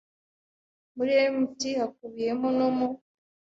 muri Mt hakubiyemo no mu